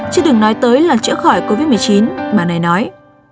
chứ đừng nói tới là chữa khỏi covid một mươi chín bà này nói